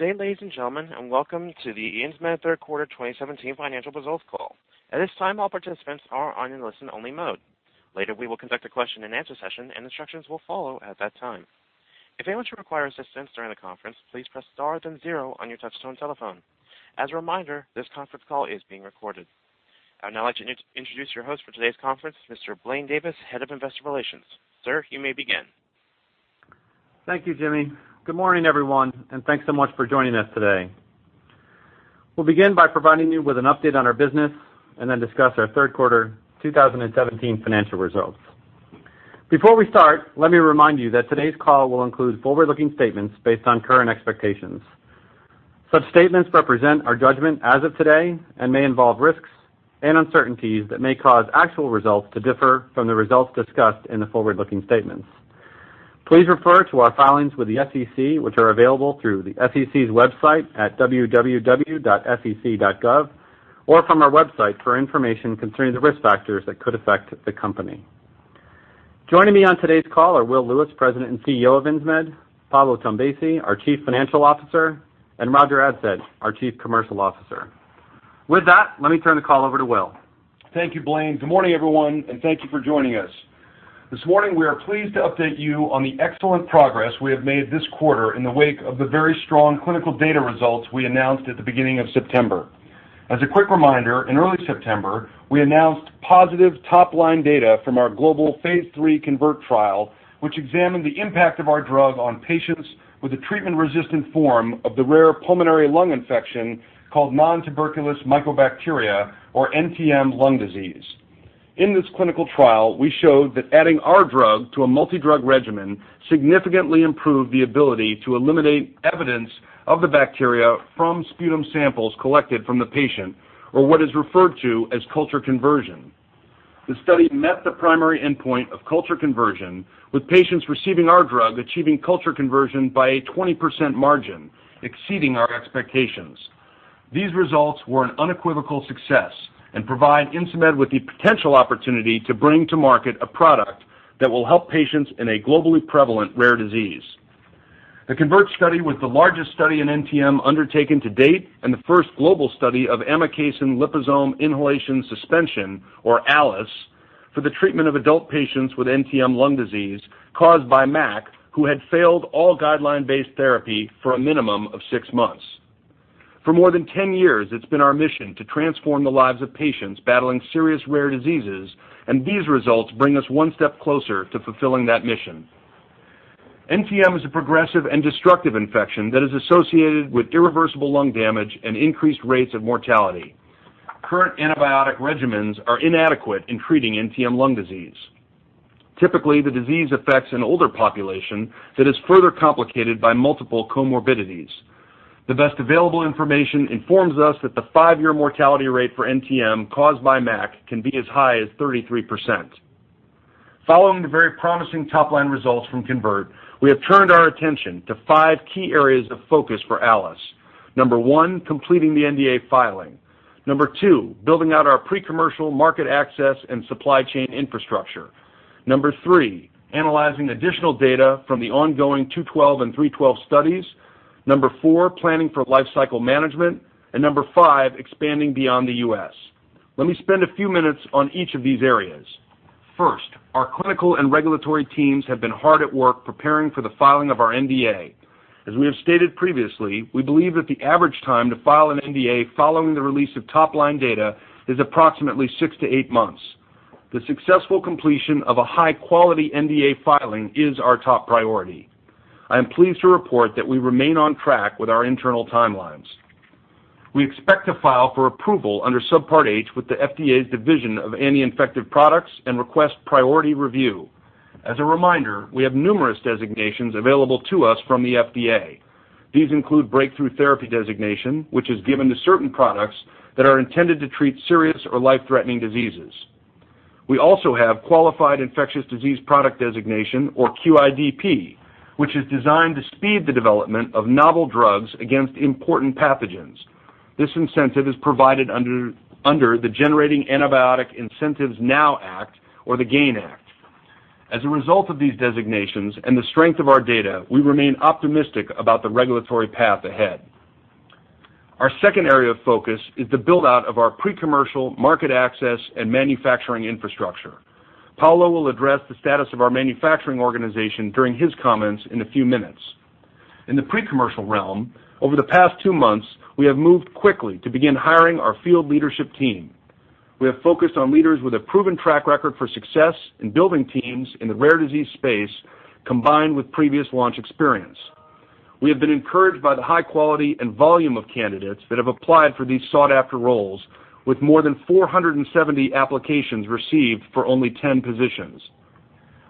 Good day, ladies and gentlemen, welcome to the Insmed Third Quarter 2017 Financial Results Call. At this time, all participants are on listen-only mode. Later, we will conduct a question-and-answer session, and instructions will follow at that time. If anyone should require assistance during the conference, please press star then zero on your touchtone telephone. As a reminder, this conference call is being recorded. I'd now like to introduce your host for today's conference, Mr. Blaine Davis, head of investor relations. Sir, you may begin. Thank you, Jimmy. Good morning, everyone, thanks so much for joining us today. We'll begin by providing you with an update on our business and then discuss our third quarter 2017 financial results. Before we start, let me remind you that today's call will include forward-looking statements based on current expectations. Such statements represent our judgment as of today and may involve risks and uncertainties that may cause actual results to differ from the results discussed in the forward-looking statements. Please refer to our filings with the SEC, which are available through the SEC's website at www.sec.gov or from our website for information concerning the risk factors that could affect the company. Joining me on today's call are Will Lewis, president and CEO of Insmed, Paolo Tombesi, our chief financial officer, and Roger Adsett, our chief commercial officer. With that, let me turn the call over to Will. Thank you, Blaine. Good morning, everyone, thank you for joining us. This morning, we are pleased to update you on the excellent progress we have made this quarter in the wake of the very strong clinical data results we announced at the beginning of September. As a quick reminder, in early September, we announced positive top-line data from our global phase III CONVERT trial, which examined the impact of our drug on patients with a treatment-resistant form of the rare pulmonary lung infection called nontuberculous mycobacteria, or NTM lung disease. In this clinical trial, we showed that adding our drug to a multi-drug regimen significantly improved the ability to eliminate evidence of the bacteria from sputum samples collected from the patient or what is referred to as culture conversion. The study met the primary endpoint of culture conversion, with patients receiving our drug achieving culture conversion by a 20% margin, exceeding our expectations. These results were an unequivocal success, provide Insmed with the potential opportunity to bring to market a product that will help patients in a globally prevalent rare disease. The CONVERT study was the largest study in NTM undertaken to date and the first global study of amikacin liposome inhalation suspension, or ALIS, for the treatment of adult patients with NTM lung disease caused by MAC who had failed all guideline-based therapy for a minimum of six months. For more than 10 years, it's been our mission to transform the lives of patients battling serious rare diseases, these results bring us one step closer to fulfilling that mission. NTM is a progressive and destructive infection that is associated with irreversible lung damage and increased rates of mortality. Current antibiotic regimens are inadequate in treating NTM lung disease. Typically, the disease affects an older population that is further complicated by multiple comorbidities. The best available information informs us that the five-year mortality rate for NTM caused by MAC can be as high as 33%. Following the very promising top-line results from CONVERT, we have turned our attention to five key areas of focus for ALIS. Number one, completing the NDA filing. Number two, building out our pre-commercial market access and supply chain infrastructure. Number three, analyzing additional data from the ongoing 212 and 312 studies. Number four, planning for life cycle management. Number five, expanding beyond the U.S. Let me spend a few minutes on each of these areas. First, our clinical and regulatory teams have been hard at work preparing for the filing of our NDA. As we have stated previously, we believe that the average time to file an NDA following the release of top-line data is approximately six to eight months. The successful completion of a high-quality NDA filing is our top priority. I am pleased to report that we remain on track with our internal timelines. We expect to file for approval under Subpart H with the FDA's Division of Anti-Infectives and request priority review. As a reminder, we have numerous designations available to us from the FDA. These include breakthrough therapy designation, which is given to certain products that are intended to treat serious or life-threatening diseases. We also have Qualified Infectious Disease Product designation, or QIDP, which is designed to speed the development of novel drugs against important pathogens. This incentive is provided under the Generating Antibiotic Incentives Now Act, or the GAIN Act. As a result of these designations and the strength of our data, we remain optimistic about the regulatory path ahead. Our second area of focus is the build-out of our pre-commercial market access and manufacturing infrastructure. Paolo will address the status of our manufacturing organization during his comments in a few minutes. In the pre-commercial realm, over the past two months, we have moved quickly to begin hiring our field leadership team. We have focused on leaders with a proven track record for success in building teams in the rare disease space, combined with previous launch experience. We have been encouraged by the high quality and volume of candidates that have applied for these sought-after roles, with more than 470 applications received for only 10 positions.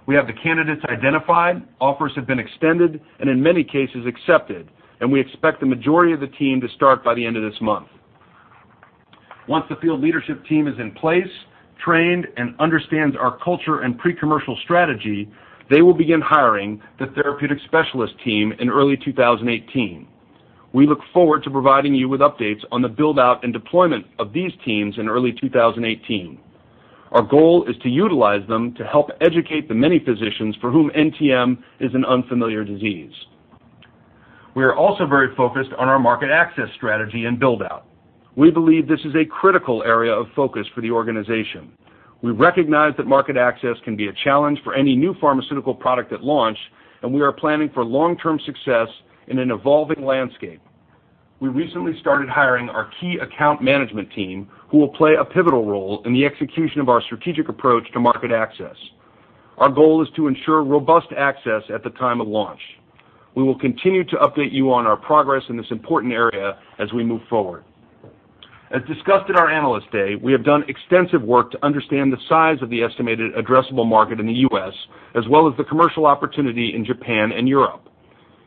We have the candidates identified, offers have been extended, and in many cases accepted, and we expect the majority of the team to start by the end of this month. Once the field leadership team is in place, trained, and understands our culture and pre-commercial strategy, they will begin hiring the therapeutic specialist team in early 2018. We look forward to providing you with updates on the build-out and deployment of these teams in early 2018. Our goal is to utilize them to help educate the many physicians for whom NTM is an unfamiliar disease. We are also very focused on our market access strategy and build-out. We believe this is a critical area of focus for the organization. We recognize that market access can be a challenge for any new pharmaceutical product at launch, and we are planning for long-term success in an evolving landscape. We recently started hiring our key account management team, who will play a pivotal role in the execution of our strategic approach to market access. Our goal is to ensure robust access at the time of launch. We will continue to update you on our progress in this important area as we move forward. As discussed at our Analyst Day, we have done extensive work to understand the size of the estimated addressable market in the U.S., as well as the commercial opportunity in Japan and Europe.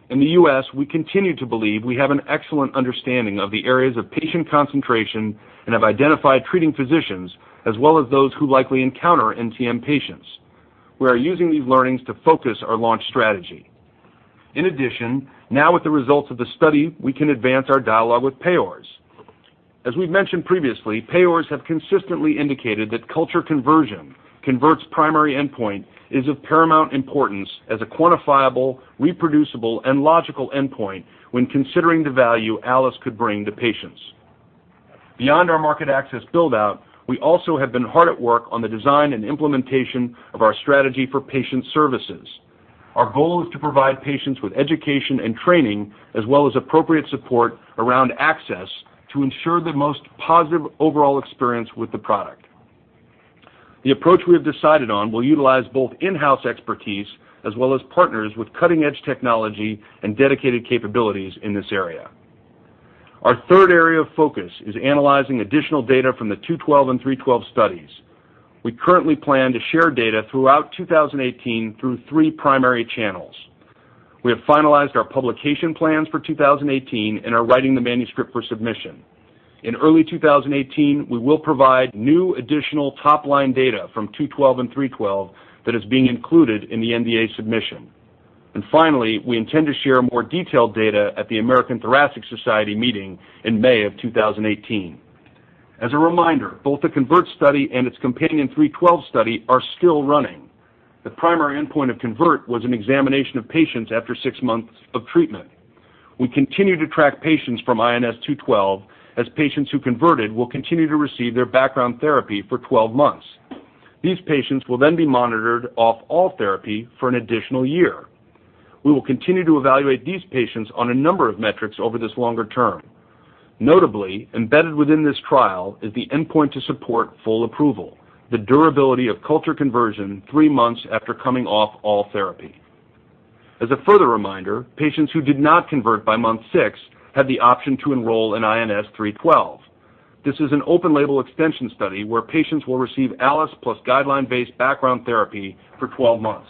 In the U.S., we continue to believe we have an excellent understanding of the areas of patient concentration and have identified treating physicians, as well as those who likely encounter NTM patients. We are using these learnings to focus our launch strategy. In addition, now with the results of the study, we can advance our dialogue with payors. As we've mentioned previously, payors have consistently indicated that culture conversion, CONVERT's primary endpoint, is of paramount importance as a quantifiable, reproducible, and logical endpoint when considering the value ALIS could bring to patients. Beyond our market access build-out, we also have been hard at work on the design and implementation of our strategy for patient services. Our goal is to provide patients with education and training, as well as appropriate support around access to ensure the most positive overall experience with the product. The approach we have decided on will utilize both in-house expertise as well as partners with cutting-edge technology and dedicated capabilities in this area. Our third area of focus is analyzing additional data from the 212 and 312 studies. We currently plan to share data throughout 2018 through three primary channels. We have finalized our publication plans for 2018 and are writing the manuscript for submission. In early 2018, we will provide new additional top-line data from 212 and 312 that is being included in the NDA submission. Finally, we intend to share more detailed data at the American Thoracic Society meeting in May of 2018. As a reminder, both the CONVERT study and its companion 312 study are still running. The primary endpoint of CONVERT was an examination of patients after six months of treatment. We continue to track patients from INS-212, as patients who converted will continue to receive their background therapy for 12 months. These patients will then be monitored off all therapy for an additional year. We will continue to evaluate these patients on a number of metrics over this longer term. Notably, embedded within this trial is the endpoint to support full approval, the durability of culture conversion three months after coming off all therapy. As a further reminder, patients who did not convert by month six had the option to enroll in INS-312. This is an open-label extension study where patients will receive ALIS plus guideline-based background therapy for 12 months.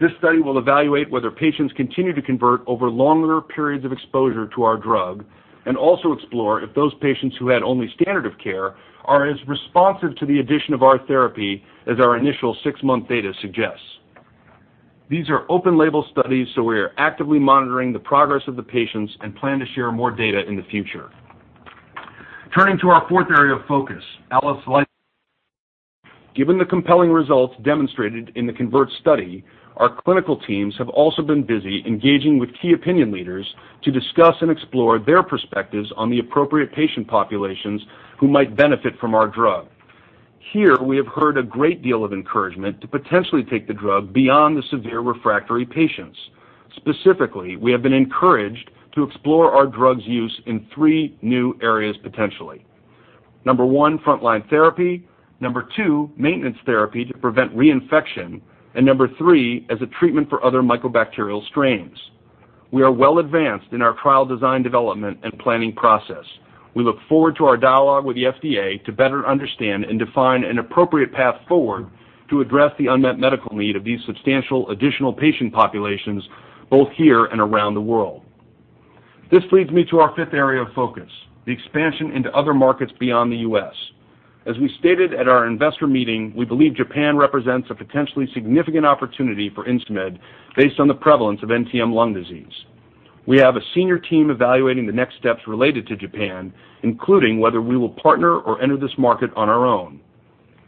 This study will evaluate whether patients continue to convert over longer periods of exposure to our drug and also explore if those patients who had only standard of care are as responsive to the addition of our therapy as our initial six-month data suggests. These are open-label studies, we are actively monitoring the progress of the patients and plan to share more data in the future. Turning to our fourth area of focus, ALIS. Given the compelling results demonstrated in the CONVERT study, our clinical teams have also been busy engaging with key opinion leaders to discuss and explore their perspectives on the appropriate patient populations who might benefit from our drug. Here, we have heard a great deal of encouragement to potentially take the drug beyond the severe refractory patients. Specifically, we have been encouraged to explore our drug's use in three new areas potentially. Number one, frontline therapy, number two, maintenance therapy to prevent reinfection, and number three, as a treatment for other mycobacterial strains. We are well advanced in our trial design development and planning process. We look forward to our dialogue with the FDA to better understand and define an appropriate path forward to address the unmet medical need of these substantial additional patient populations, both here and around the world. This leads me to our fifth area of focus, the expansion into other markets beyond the U.S. As we stated at our investor meeting, we believe Japan represents a potentially significant opportunity for Insmed based on the prevalence of NTM lung disease. We have a senior team evaluating the next steps related to Japan, including whether we will partner or enter this market on our own.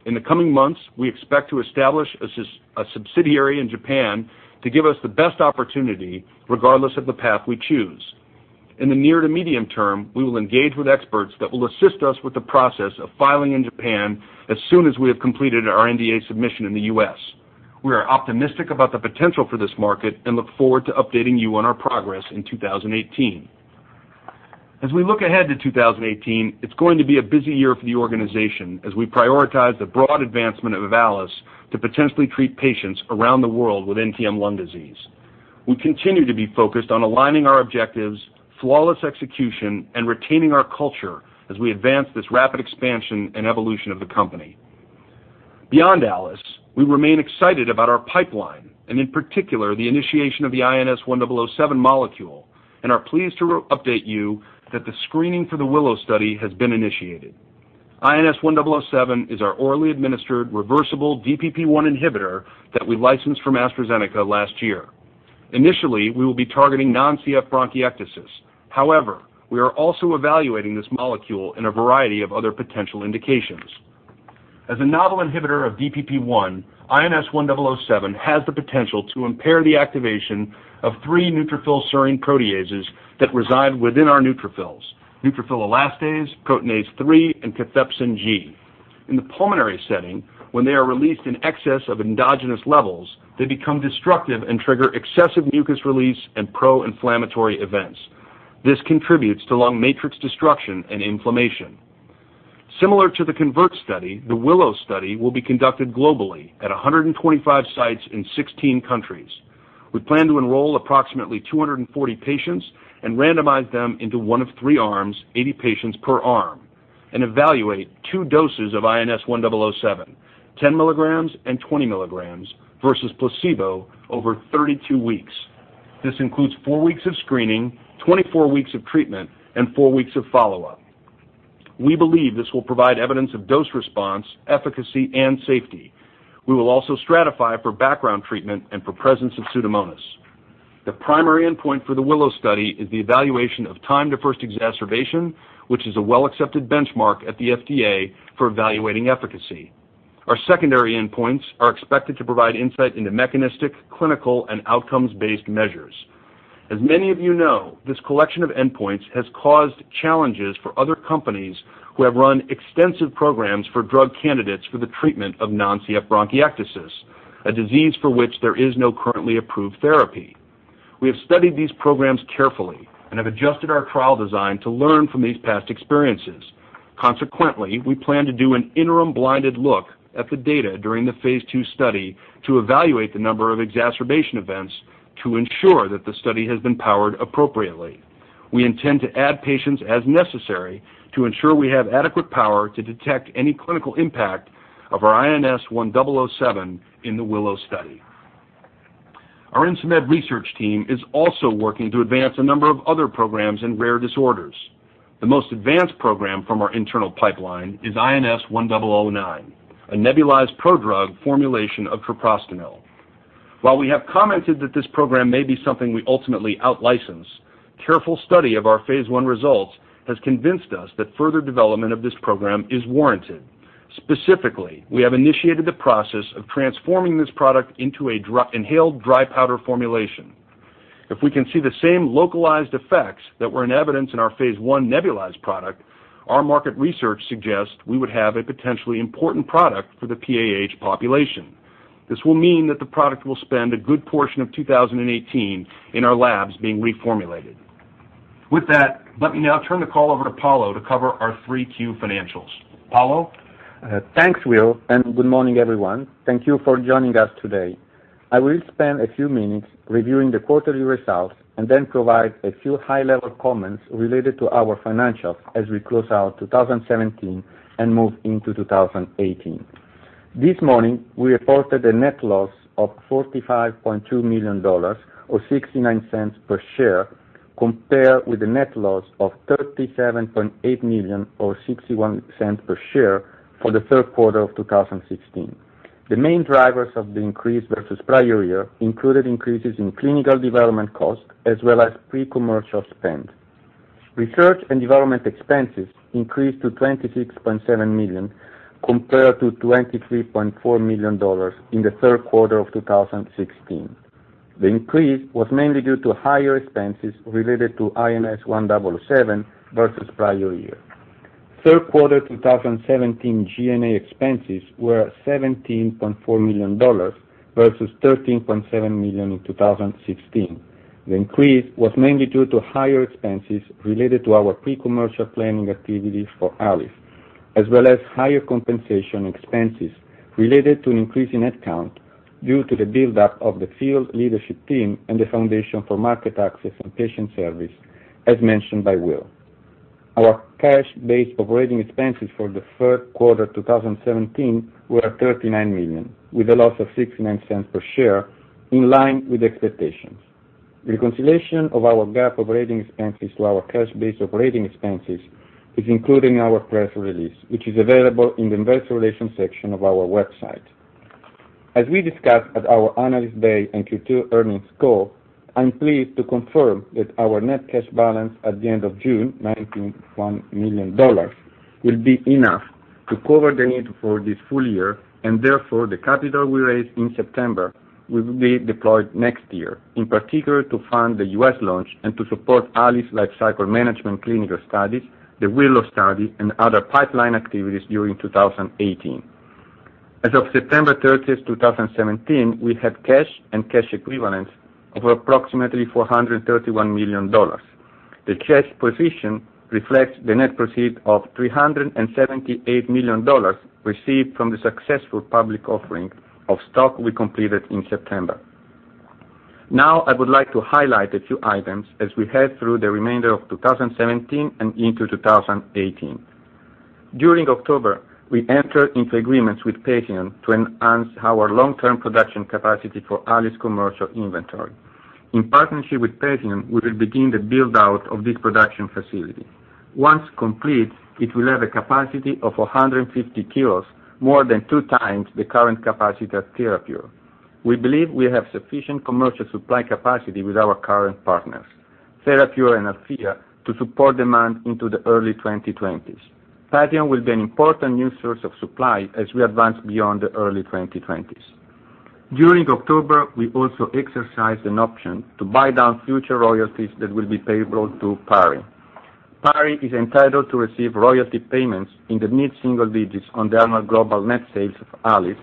In the coming months, we expect to establish a subsidiary in Japan to give us the best opportunity regardless of the path we choose. In the near to medium term, we will engage with experts that will assist us with the process of filing in Japan as soon as we have completed our NDA submission in the U.S. We are optimistic about the potential for this market and look forward to updating you on our progress in 2018. As we look ahead to 2018, it's going to be a busy year for the organization as we prioritize the broad advancement of ALIS to potentially treat patients around the world with NTM lung disease. We continue to be focused on aligning our objectives, flawless execution, and retaining our culture as we advance this rapid expansion and evolution of the company. Beyond ALIS, we remain excited about our pipeline, and in particular, the initiation of the INS-1007 molecule, and are pleased to update you that the screening for the WILLOW study has been initiated. INS-1007 is our orally administered reversible DPP-1 inhibitor that we licensed from AstraZeneca last year. Initially, we will be targeting non-CF bronchiectasis. However, we are also evaluating this molecule in a variety of other potential indications. As a novel inhibitor of DPP-1, INS-1007 has the potential to impair the activation of three neutrophil serine proteases that reside within our neutrophils, neutrophil elastase, proteinase 3, and cathepsin G. In the pulmonary setting, when they are released in excess of endogenous levels, they become destructive and trigger excessive mucus release and pro-inflammatory events. This contributes to lung matrix destruction and inflammation. Similar to the CONVERT study, the WILLOW study will be conducted globally at 125 sites in 16 countries. We plan to enroll approximately 240 patients and randomize them into one of three arms, 80 patients per arm, and evaluate two doses of INS-1007, 10 milligrams and 20 milligrams versus placebo over 32 weeks. This includes four weeks of screening, 24 weeks of treatment, and four weeks of follow-up. We believe this will provide evidence of dose response, efficacy, and safety. We will also stratify for background treatment and for presence of Pseudomonas. The primary endpoint for the WILLOW study is the evaluation of time to first exacerbation, which is a well-accepted benchmark at the FDA for evaluating efficacy. Our secondary endpoints are expected to provide insight into mechanistic, clinical, and outcomes-based measures. As many of you know, this collection of endpoints has caused challenges for other companies who have run extensive programs for drug candidates for the treatment of non-CF bronchiectasis, a disease for which there is no currently approved therapy. We have studied these programs carefully and have adjusted our trial design to learn from these past experiences. Consequently, we plan to do an interim blinded look at the data during the phase II study to evaluate the number of exacerbation events to ensure that the study has been powered appropriately. We intend to add patients as necessary to ensure we have adequate power to detect any clinical impact of our INS-1007 in the WILLOW study. Our Insmed research team is also working to advance a number of other programs in rare disorders. The most advanced program from our internal pipeline is INS-1009, a nebulized prodrug formulation of treprostinil. While we have commented that this program may be something we ultimately out-license, careful study of our phase I results has convinced us that further development of this program is warranted. Specifically, we have initiated the process of transforming this product into an inhaled dry powder formulation. If we can see the same localized effects that were in evidence in our phase I nebulized product, our market research suggests we would have a potentially important product for the PAH population. This will mean that the product will spend a good portion of 2018 in our labs being reformulated. With that, let me now turn the call over to Paolo to cover our 3Q financials. Paolo? Thanks, Will. Good morning, everyone. Thank you for joining us today. I will spend a few minutes reviewing the quarterly results, then provide a few high-level comments related to our financials as we close out 2017 and move into 2018. This morning, we reported a net loss of $45.2 million, or $0.69 per share, compared with a net loss of $37.8 million or $0.61 per share for the third quarter of 2016. The main drivers of the increase versus the prior year included increases in clinical development costs as well as pre-commercial spend. Research and development expenses increased to $26.7 million compared to $23.4 million in the third quarter of 2016. The increase was mainly due to higher expenses related to INS-1007 versus the prior year. Third quarter 2017 G&A expenses were $17.4 million versus $13.7 million in 2016. The increase was mainly due to higher expenses related to our pre-commercial planning activities for ALIS, as well as higher compensation expenses related to an increase in headcount due to the buildup of the field leadership team and the foundation for market access and patient service as mentioned by Will. Our cash-based operating expenses for the third quarter 2017 were $39 million, with a loss of $0.69 per share in line with expectations. Reconciliation of our GAAP operating expenses to our cash-based operating expenses is included in our press release, which is available in the investor relations section of our website. As we discussed at our Analyst Day and Q2 earnings call, I am pleased to confirm that our net cash balance at the end of June, $19.1 million, will be enough to cover the need for this full year. Therefore, the capital we raised in September will be deployed next year, in particular to fund the U.S. launch and to support ALIS lifecycle management clinical studies, the WILLOW study, and other pipeline activities during 2018. As of September 30th, 2017, we had cash and cash equivalents of approximately $431 million. The cash position reflects the net proceeds of $378 million received from the successful public offering of stock we completed in September. I would like to highlight a few items as we head through the remainder of 2017 and into 2018. During October, we entered into agreements with Patheon to enhance our long-term production capacity for ALIS commercial inventory. In partnership with Patheon, we will begin the build-out of this production facility. Once complete, it will have a capacity of 150 kilos, more than two times the current capacity of Therapure. We believe we have sufficient commercial supply capacity with our current partners, Therapure and Althea, to support demand into the early 2020s. Patheon will be an important new source of supply as we advance beyond the early 2020s. During October, we also exercised an option to buy down future royalties that will be payable to PARI. PARI is entitled to receive royalty payments in the mid-single digits on the annual global net sales of ALIS,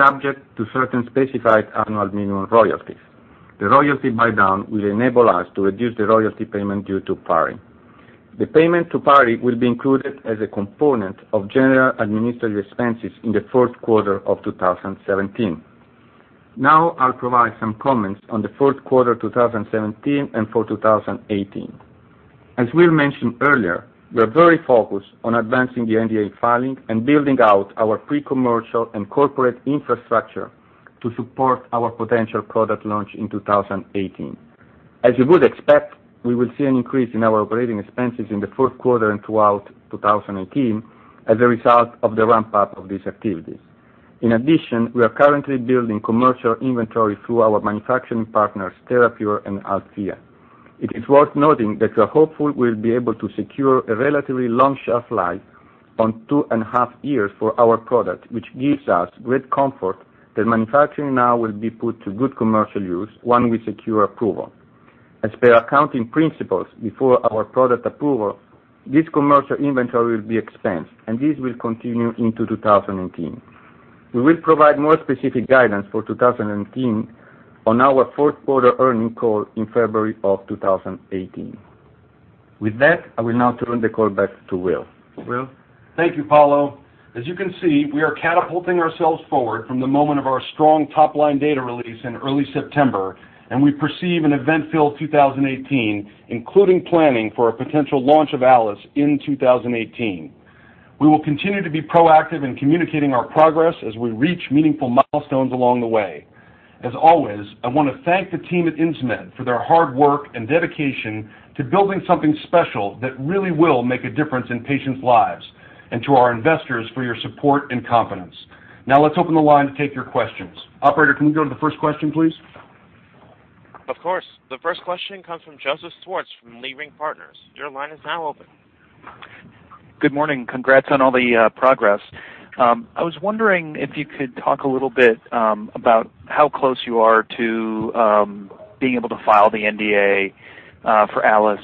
subject to certain specified annual minimum royalties. The royalty buy-down will enable us to reduce the royalty payment due to PARI. The payment to PARI will be included as a component of general administrative expenses in the fourth quarter of 2017. I will provide some comments on the fourth quarter 2017 and for 2018. As Will mentioned earlier, we are very focused on advancing the NDA filing and building out our pre-commercial and corporate infrastructure to support our potential product launch in 2018. As you would expect, we will see an increase in our operating expenses in the fourth quarter and throughout 2018 as a result of the ramp-up of these activities. In addition, we are currently building commercial inventory through our manufacturing partners, Therapure and Althea. It is worth noting that we'll be able to secure a relatively long shelf life on 2.5 years for our product, which gives us great comfort that manufacturing now will be put to good commercial use once we secure approval. As per accounting principles, before our product approval, this commercial inventory will be expensed, and this will continue into 2018. We will provide more specific guidance for 2018 on our fourth quarter earnings call in February of 2018. With that, I will now turn the call back to Will. Will? Thank you, Paolo. As you can see, we are catapulting ourselves forward from the moment of our strong top-line data release in early September, we perceive an event-filled 2018, including planning for a potential launch of ALIS in 2018. We will continue to be proactive in communicating our progress as we reach meaningful milestones along the way. As always, I want to thank the team at Insmed for their hard work and dedication to building something special that really will make a difference in patients' lives, and to our investors for your support and confidence. Now let's open the line to take your questions. Operator, can you go to the first question, please? Of course. The first question comes from Joseph Schwartz from Leerink Partners. Your line is now open. Good morning. Congrats on all the progress. I was wondering if you could talk a little bit about how close you are to being able to file the NDA for ALIS.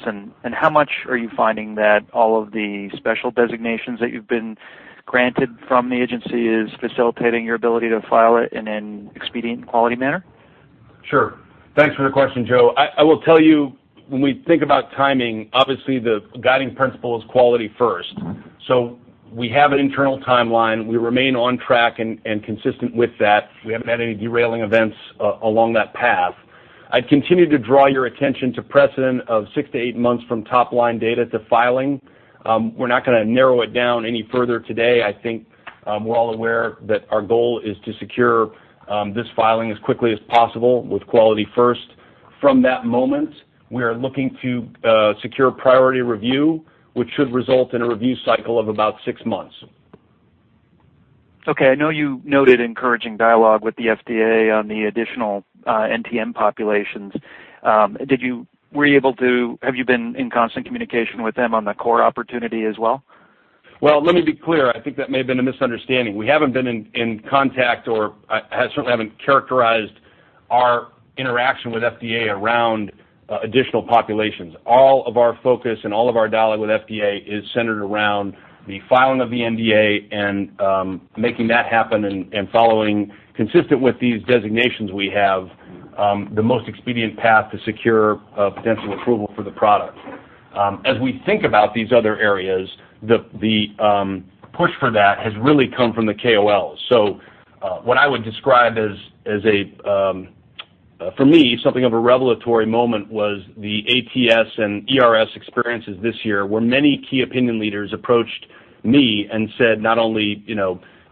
How much are you finding that all of the special designations that you've been granted from the agency is facilitating your ability to file it in an expedient quality manner? Sure. Thanks for the question, Joe. I will tell you, when we think about timing, obviously the guiding principle is quality first. We have an internal timeline. We remain on track and consistent with that. We haven't had any derailing events along that path. I'd continue to draw your attention to precedent of six to eight months from top-line data to filing. We're not going to narrow it down any further today. I think we're all aware that our goal is to secure this filing as quickly as possible with quality first. From that moment, we are looking to secure priority review, which should result in a review cycle of about six months. Okay. I know you noted encouraging dialogue with the FDA on the additional NTM populations. Have you been in constant communication with them on the core opportunity as well? Well, let me be clear. I think that may have been a misunderstanding. We haven't been in contact, or I certainly haven't characterized our interaction with FDA around additional populations. All of our focus and all of our dialogue with FDA is centered around the filing of the NDA and making that happen and following consistent with these designations we have the most expedient path to secure potential approval for the product. As we think about these other areas, the push for that has really come from the KOLs. What I would describe as a, for me, something of a revelatory moment was the ATS and ERS experiences this year, where many key opinion leaders approached me and said, not only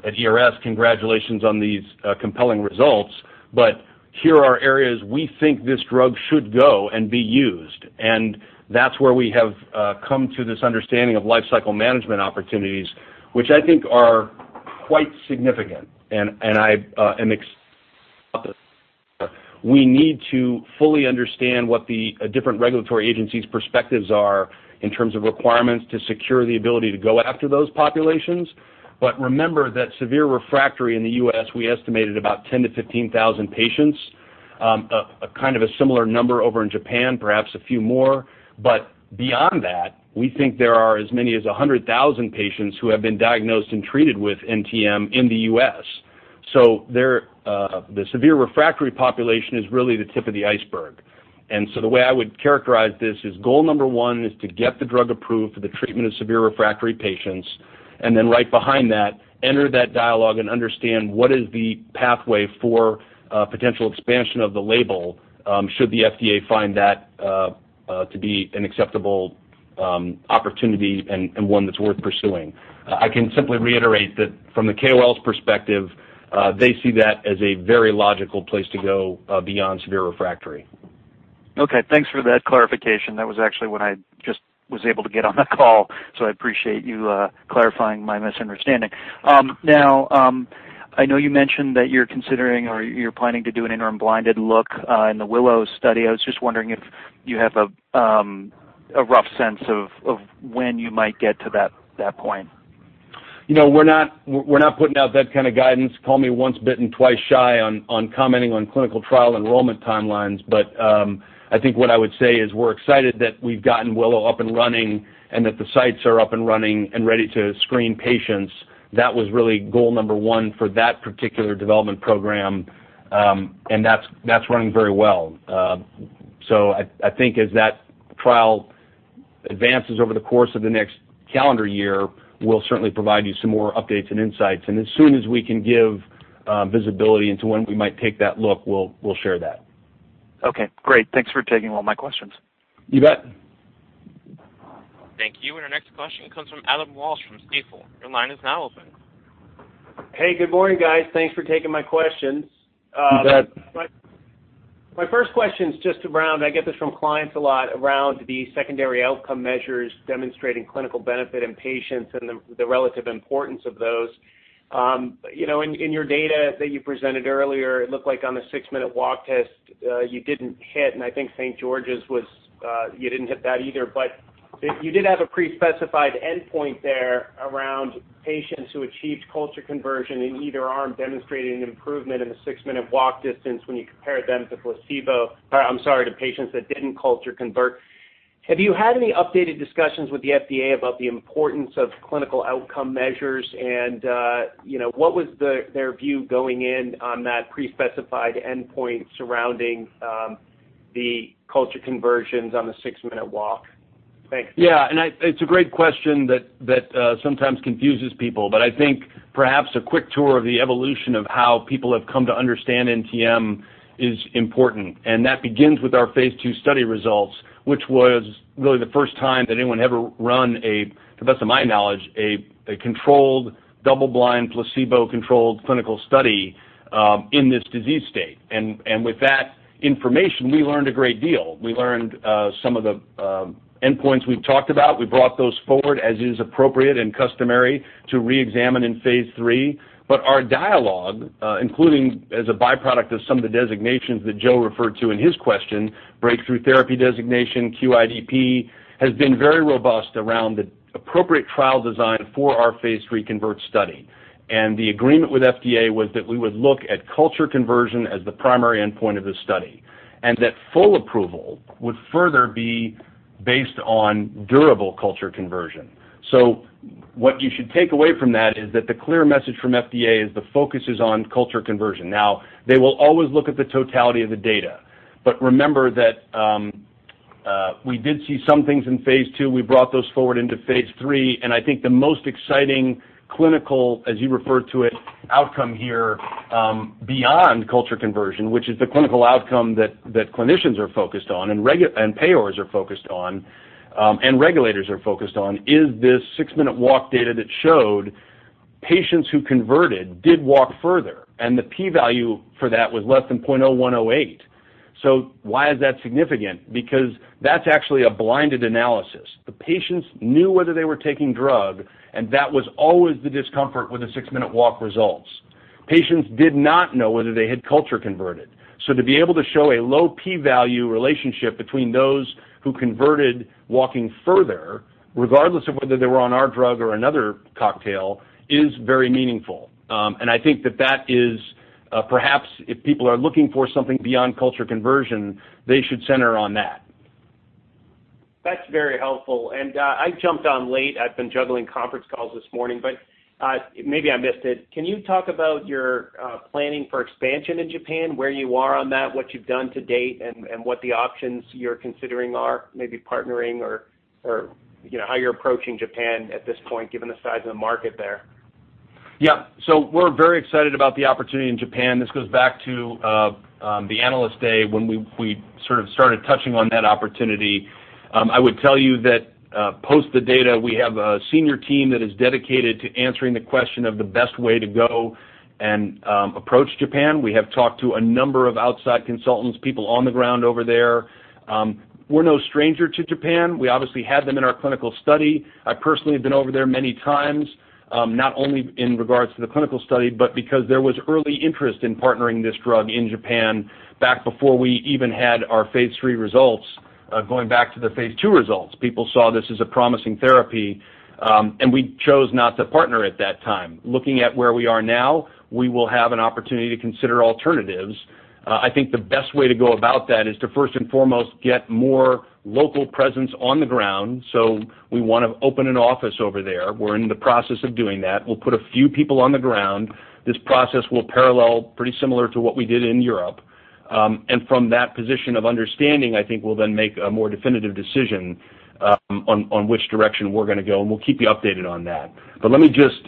at ERS, "Congratulations on these compelling results," but "Here are areas we think this drug should go and be used." That's where we have come to this understanding of life cycle management opportunities, which I think are quite significant. We need to fully understand what the different regulatory agencies' perspectives are in terms of requirements to secure the ability to go after those populations. Remember that severe refractory in the U.S., we estimated about 10,000 to 15,000 patients. A kind of a similar number over in Japan, perhaps a few more. Beyond that, we think there are as many as 100,000 patients who have been diagnosed and treated with NTM in the U.S. The severe refractory population is really the tip of the iceberg. The way I would characterize this is goal number one is to get the drug approved for the treatment of severe refractory patients. Then right behind that, enter that dialogue and understand what is the pathway for potential expansion of the label, should the FDA find that to be an acceptable opportunity and one that's worth pursuing. I can simply reiterate that from the KOLs perspective, they see that as a very logical place to go beyond severe refractory. Okay. Thanks for that clarification. That was actually when I just was able to get on the call, so I appreciate you clarifying my misunderstanding. I know you mentioned that you're considering or you're planning to do an interim blinded look in the WILLOW study. I was just wondering if you have a rough sense of when you might get to that point. We're not putting out that kind of guidance. Call me once bitten twice shy on commenting on clinical trial enrollment timelines. I think what I would say is we're excited that we've gotten WILLOW up and running and that the sites are up and running and ready to screen patients. That was really goal number one for that particular development program, and that's running very well. I think as that trial advances over the course of the next calendar year, we'll certainly provide you some more updates and insights. As soon as we can give visibility into when we might take that look, we'll share that. Okay, great. Thanks for taking all my questions. You bet. Thank you. Our next question comes from Adam Walsh from Stifel. Your line is now open. Hey, good morning, guys. Thanks for taking my questions. You bet. My first question is just around, I get this from clients a lot, around the secondary outcome measures demonstrating clinical benefit in patients and the relative importance of those. In your data that you presented earlier, it looked like on the six-minute walk test, you didn't hit, and I think St. George's you didn't hit that either. But you did have a pre-specified endpoint there around patients who achieved culture conversion in either arm demonstrating an improvement in the six-minute walk distance when you compare them to placebo, I'm sorry, to patients that didn't culture convert. Have you had any updated discussions with the FDA about the importance of clinical outcome measures? What was their view going in on that pre-specified endpoint surrounding the culture conversions on the six-minute walk? Thanks. It's a great question that sometimes confuses people. I think perhaps a quick tour of the evolution of how people have come to understand NTM is important. That begins with our phase II study results, which was really the first time that anyone ever run a, to the best of my knowledge, a controlled double-blind, placebo-controlled clinical study in this disease state. With that information, we learned a great deal. We learned some of the endpoints we've talked about. We brought those forward as is appropriate and customary to reexamine in phase III. Our dialogue, including as a byproduct of some of the designations that Joe referred to in his question, breakthrough therapy designation, QIDP, has been very robust around the appropriate trial design for our phase III CONVERT study. The agreement with FDA was that we would look at culture conversion as the primary endpoint of the study, and that full approval would further be based on durable culture conversion. What you should take away from that is that the clear message from FDA is the focus is on culture conversion. They will always look at the totality of the data. Remember that we did see some things in phase II. We brought those forward into phase III, and I think the most exciting clinical, as you referred to it, outcome here, beyond culture conversion, which is the clinical outcome that clinicians are focused on and payors are focused on, and regulators are focused on, is this six-minute walk data that showed patients who converted did walk further, and the P value for that was less than 0.0108. Why is that significant? Because that's actually a blinded analysis. The patients knew whether they were taking drug, and that was always the discomfort with the six-minute walk results. Patients did not know whether they had culture converted. To be able to show a low P value relationship between those who converted walking further, regardless of whether they were on our drug or another cocktail, is very meaningful. I think that that is perhaps if people are looking for something beyond culture conversion, they should center on that. That's very helpful. I jumped on late. I've been juggling conference calls this morning. Maybe I missed it. Can you talk about your planning for expansion in Japan, where you are on that, what you've done to date, and what the options you're considering are? Maybe partnering or how you're approaching Japan at this point, given the size of the market there. We're very excited about the opportunity in Japan. This goes back to the Analyst Day when we sort of started touching on that opportunity. I would tell you that post the data, we have a senior team that is dedicated to answering the question of the best way to go and approach Japan. We have talked to a number of outside consultants, people on the ground over there. We're no stranger to Japan. We obviously had them in our clinical study. I personally have been over there many times, not only in regards to the clinical study, but because there was early interest in partnering this drug in Japan back before we even had our phase III results. Going back to the phase II results, people saw this as a promising therapy. We chose not to partner at that time. Looking at where we are now, we will have an opportunity to consider alternatives. I think the best way to go about that is to first and foremost get more local presence on the ground. We want to open an office over there. We're in the process of doing that. We'll put a few people on the ground. This process will parallel pretty similar to what we did in Europe. From that position of understanding, I think we'll then make a more definitive decision on which direction we're going to go, and we'll keep you updated on that. Let me just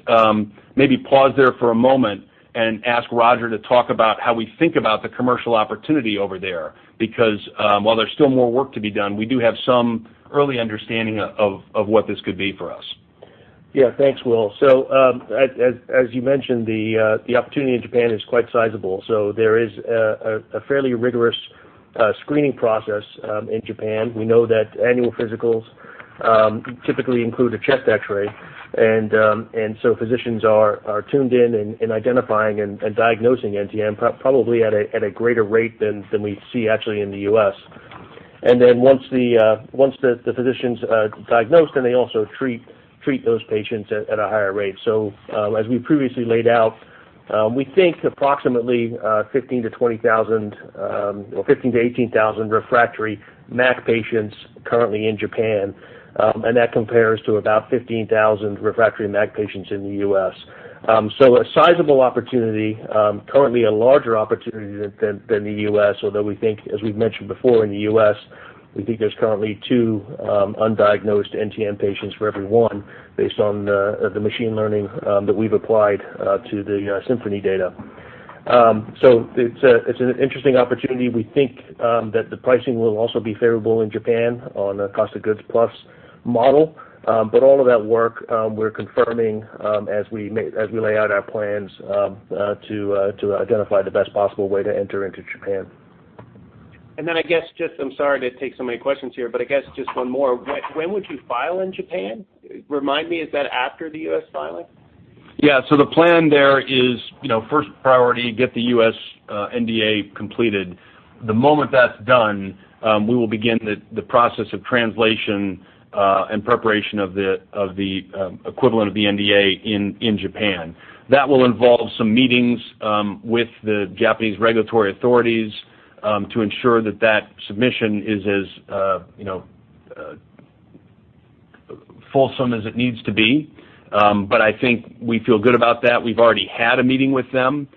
maybe pause there for a moment and ask Roger to talk about how we think about the commercial opportunity over there. Because while there's still more work to be done, we do have some early understanding of what this could be for us. Thanks, Will. As you mentioned, the opportunity in Japan is quite sizable. There is a fairly rigorous screening process in Japan. We know that annual physicals typically include a chest X-ray. Physicians are tuned in in identifying and diagnosing NTM, probably at a greater rate than we see actually in the U.S. Once the physicians diagnose, then they also treat those patients at a higher rate. As we previously laid out, we think approximately 15,000-18,000 refractory MAC patients currently in Japan. That compares to about 15,000 refractory MAC patients in the U.S. A sizable opportunity, currently a larger opportunity than the U.S. although we think, as we've mentioned before, in the U.S., we think there's currently two undiagnosed NTM patients for every one based on the machine learning that we've applied to the Symphony data. It's an interesting opportunity. We think that the pricing will also be favorable in Japan on a cost of goods plus model. All of that work, we're confirming as we lay out our plans to identify the best possible way to enter into Japan. I guess just, I'm sorry to take so many questions here, I guess just one more. When would you file in Japan? Remind me, is that after the U.S. filing? The plan there is first priority, get the U.S. NDA completed. The moment that's done, we will begin the process of translation and preparation of the equivalent of the NDA in Japan. That will involve some meetings with the Japanese regulatory authorities to ensure that that submission is as fulsome as it needs to be. I think we feel good about that. We've already had a meeting with them,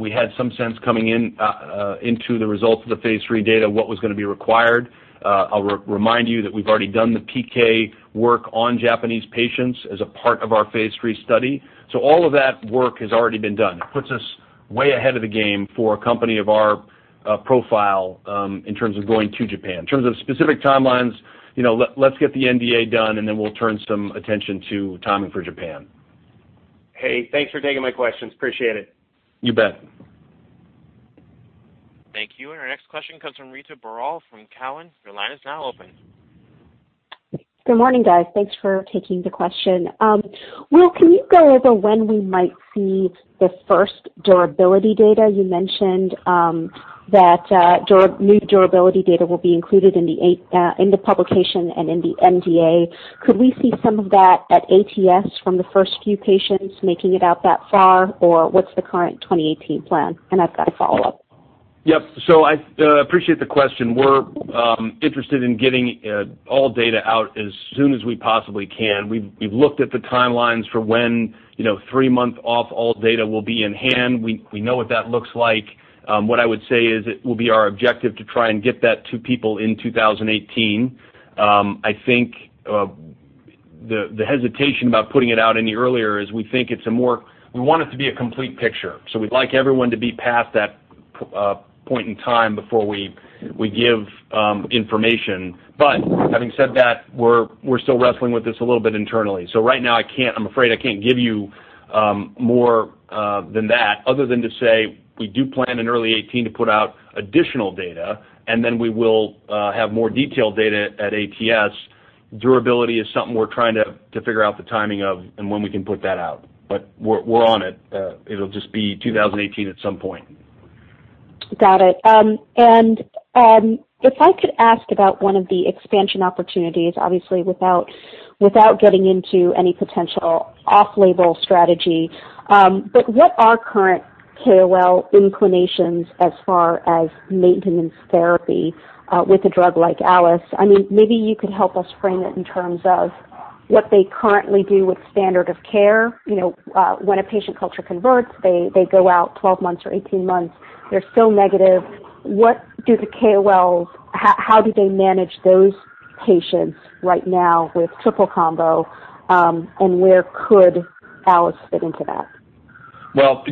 we had some sense coming into the results of the phase III data, what was going to be required. I'll remind you that we've already done the PK work on Japanese patients as a part of our phase III study. All of that work has already been done. It puts us way ahead of the game for a company of our profile in terms of going to Japan. In terms of specific timelines, let's get the NDA done, and then we'll turn some attention to timing for Japan. Hey, thanks for taking my questions. Appreciate it. You bet. Thank you. Our next question comes from Ritu Baral from Cowen. Your line is now open. Good morning, guys. Thanks for taking the question. Will, can you go over when we might see the first durability data? You mentioned that new durability data will be included in the publication and in the NDA. Could we see some of that at ATS from the first few patients making it out that far, or what's the current 2018 plan? I've got a follow-up. Yep. I appreciate the question. We're interested in getting all data out as soon as we possibly can. We've looked at the timelines for when three-month off all data will be in hand. We know what that looks like. What I would say is it will be our objective to try and get that to people in 2018. I think the hesitation about putting it out any earlier is we want it to be a complete picture. We'd like everyone to be past that point in time before we give information. Having said that, we're still wrestling with this a little bit internally. Right now I'm afraid I can't give you more than that other than to say we do plan in early 2018 to put out additional data, and then we will have more detailed data at ATS. Durability is something we're trying to figure out the timing of and when we can put that out. We're on it. It'll just be 2018 at some point. Got it. If I could ask about one of the expansion opportunities, obviously without getting into any potential off-label strategy. What are current KOL inclinations as far as maintenance therapy with a drug like ARIKAYCE? Maybe you could help us frame it in terms of what they currently do with standard of care. When a patient culture converts, they go out 12 months or 18 months, they're still negative. How do they manage those patients right now with triple combo, and where could ARIKAYCE fit into that?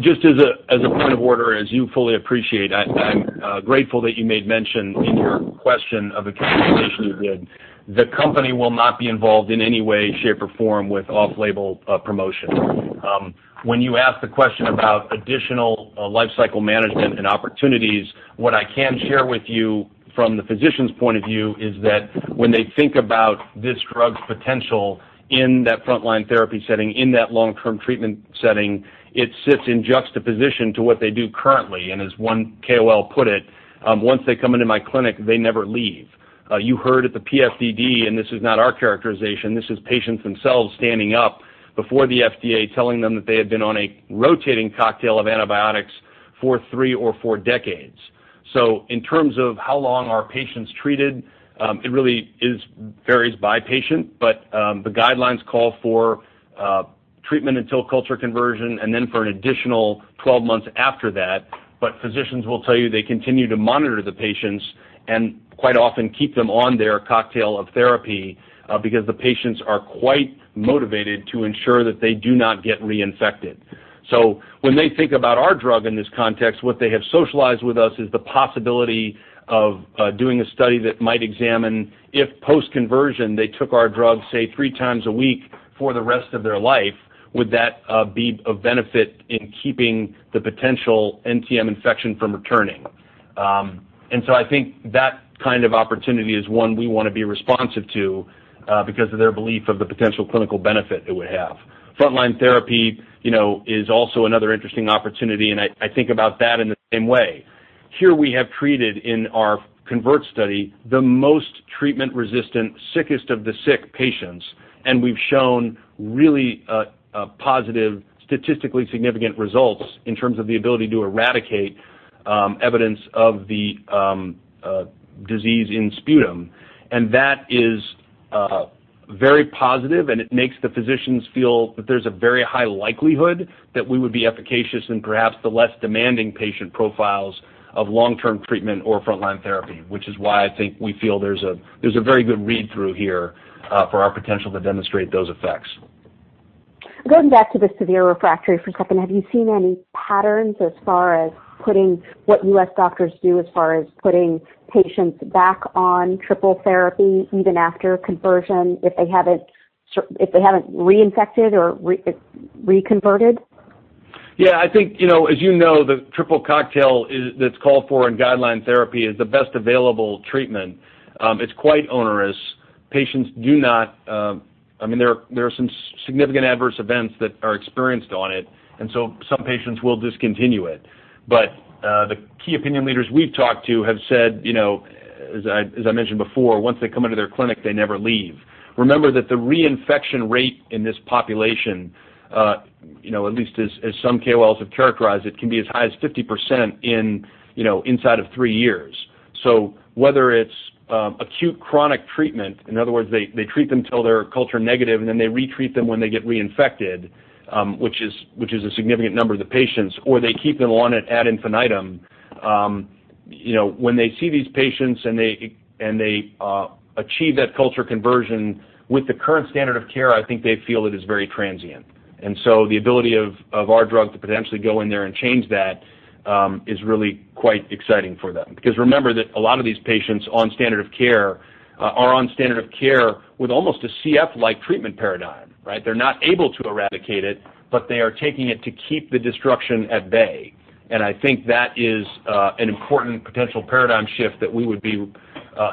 Just as a point of order, as you fully appreciate, I'm grateful that you made mention in your question of the transformation you did. The company will not be involved in any way, shape, or form with off-label promotion. When you ask the question about additional life cycle management and opportunities, what I can share with you from the physician's point of view is that when they think about this drug's potential in that frontline therapy setting, in that long-term treatment setting, it sits in juxtaposition to what they do currently. As one KOL put it, "Once they come into my clinic, they never leave." You heard at the PFDD, this is not our characterization, this is patients themselves standing up before the FDA telling them that they had been on a rotating cocktail of antibiotics for three or four decades. In terms of how long are patients treated, it really varies by patient, but the guidelines call for treatment until culture conversion and then for an additional 12 months after that. Physicians will tell you they continue to monitor the patients and quite often keep them on their cocktail of therapy because the patients are quite motivated to ensure that they do not get reinfected. When they think about our drug in this context, what they have socialized with us is the possibility of doing a study that might examine, if post-conversion they took our drug, say, three times a week for the rest of their life, would that be of benefit in keeping the potential NTM infection from returning? I think that kind of opportunity is one we want to be responsive to because of their belief of the potential clinical benefit it would have. Frontline therapy is also another interesting opportunity, and I think about that in the same way. Here we have treated in our CONVERT study, the most treatment-resistant, sickest of the sick patients, and we've shown really positive, statistically significant results in terms of the ability to eradicate evidence of the disease in sputum. That is very positive, and it makes the physicians feel that there's a very high likelihood that we would be efficacious in perhaps the less demanding patient profiles of long-term treatment or frontline therapy, which is why I think we feel there's a very good read-through here for our potential to demonstrate those effects. Going back to the severe refractory for a second, have you seen any patterns as far as putting what U.S. doctors do as far as putting patients back on triple therapy even after conversion if they haven't reinfected or reconverted? I think, as you know, the triple cocktail that's called for in guideline therapy is the best available treatment. It's quite onerous. There are some significant adverse events that are experienced on it, some patients will discontinue it. The key opinion leaders we've talked to have said, as I mentioned before, once they come into their clinic, they never leave. Remember that the reinfection rate in this population, at least as some KOLs have characterized it, can be as high as 50% inside of three years. Whether it's acute chronic treatment, in other words, they treat them till they're culture negative, and then they re-treat them when they get reinfected, which is a significant number of the patients, or they keep them on it ad infinitum. When they see these patients and they achieve that culture conversion with the current standard of care, I think they feel it is very transient. The ability of our drug to potentially go in there and change that is really quite exciting for them. Remember that a lot of these patients on standard of care are on standard of care with almost a CF-like treatment paradigm, right? They're not able to eradicate it, but they are taking it to keep the destruction at bay. I think that is an important potential paradigm shift that we would be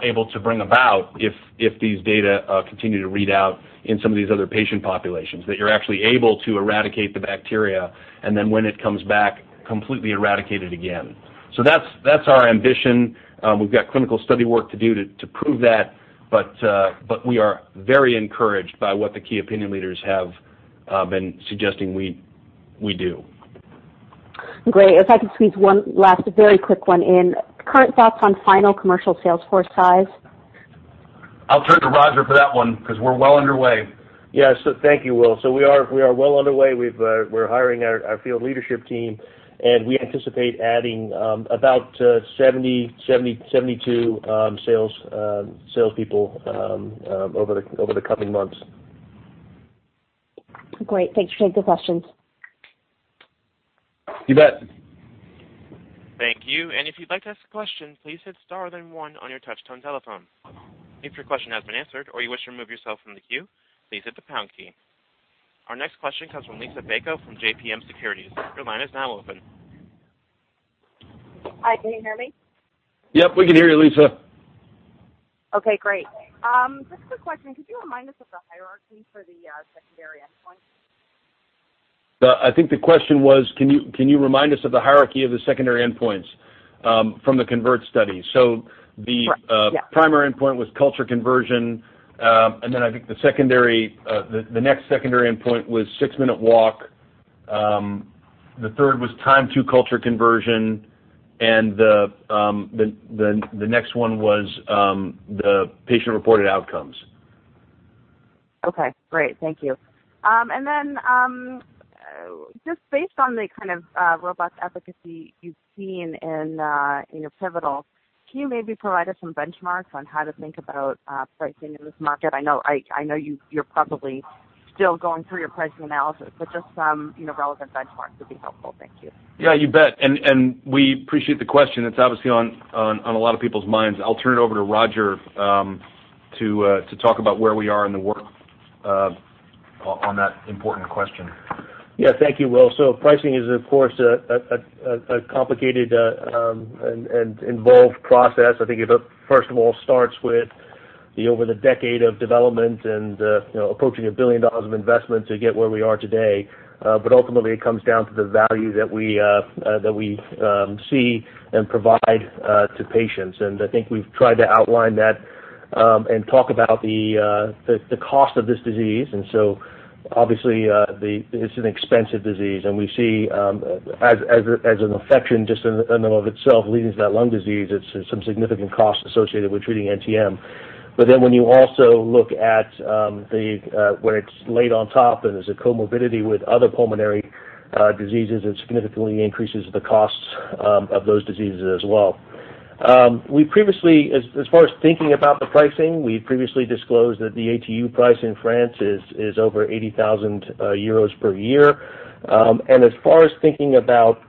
able to bring about if these data continue to read out in some of these other patient populations, that you're actually able to eradicate the bacteria, and then when it comes back, completely eradicate it again. That's our ambition. We've got clinical study work to do to prove that, but we are very encouraged by what the key opinion leaders have been suggesting we do. Great. If I could squeeze one last very quick one in. Current thoughts on final commercial sales force size? I'll turn to Roger for that one because we're well underway. Yes. Thank you, Will. We are well underway. We're hiring our field leadership team, and we anticipate adding about 70, 72 salespeople over the coming months. Great. Thanks for taking the questions. You bet. Thank you. If you'd like to ask a question, please hit star then one on your touchtone telephone. If your question has been answered or you wish to remove yourself from the queue, please hit the pound key. Our next question comes from Liisa Bayko from JMP Securities. Your line is now open. Hi, can you hear me? Yep, we can hear you, Liisa. Okay, great. Just a quick question. Could you remind us of the hierarchy for the secondary endpoint? I think the question was can you remind us of the hierarchy of the secondary endpoints from the CONVERT study? Right. Yeah. The primary endpoint was culture conversion, I think the next secondary endpoint was six-minute walk. The third was time to culture conversion, the next one was the patient-reported outcomes. Okay, great. Thank you. Just based on the kind of robust efficacy you've seen in your pivotal, can you maybe provide us some benchmarks on how to think about pricing in this market? I know you're probably still going through your pricing analysis, just some relevant benchmarks would be helpful. Thank you. Yeah, you bet. We appreciate the question. It's obviously on a lot of people's minds. I'll turn it over to Roger to talk about where we are in the work on that important question. Yeah. Thank you, Will. Pricing is, of course, a complicated and involved process. I think it first of all starts with over the decade of development and approaching $1 billion of investment to get where we are today. Ultimately, it comes down to the value that we see and provide to patients. I think we've tried to outline that and talk about the cost of this disease. Obviously, it's an expensive disease, and we see as an infection just in and of itself leading to that lung disease, it's some significant cost associated with treating NTM. When you also look at when it's laid on top and there's a comorbidity with other pulmonary diseases, it significantly increases the costs of those diseases as well. As far as thinking about the pricing, we previously disclosed that the ATU price in France is over 80,000 euros per year. As far as thinking about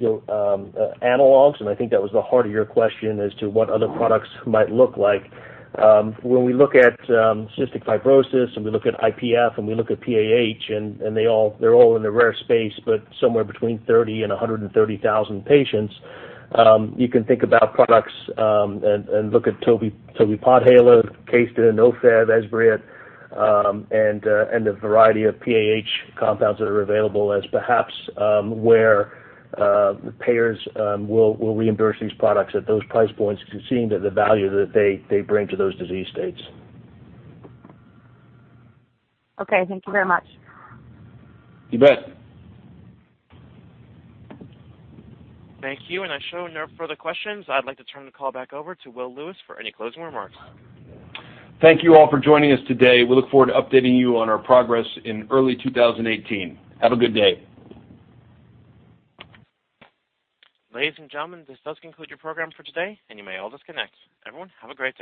analogs, I think that was the heart of your question as to what other products might look like. When we look at cystic fibrosis and we look at IPF and we look at PAH, they're all in the rare space, but somewhere between 30,000 and 130,000 patients, you can think about products and look at tolvaptan Halos, Kalydeco, Ofev, Esbriet, and the variety of PAH compounds that are available as perhaps where payers will reimburse these products at those price points, seeing that the value that they bring to those disease states. Okay. Thank you very much. You bet. Thank you. I show no further questions. I'd like to turn the call back over to Will Lewis for any closing remarks. Thank you all for joining us today. We look forward to updating you on our progress in early 2018. Have a good day. Ladies and gentlemen, this does conclude your program for today. You may all disconnect. Everyone, have a great day.